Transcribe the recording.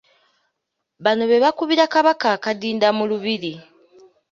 Bano be bakubira Kabaka akadinda mu lubiri.